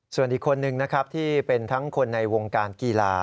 ส่วนอีกคนนึงนะครับที่เป็นทั้งคนในวงการกีฬา